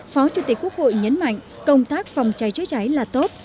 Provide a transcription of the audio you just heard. phó chủ tịch quốc hội nhấn mạnh công tác phòng cháy chữa cháy là tốt